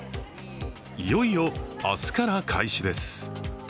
いよいよ明日から開始です。